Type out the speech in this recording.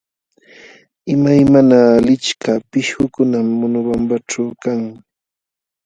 Imaymana lichka pishqukunam Monobambaćhu kan.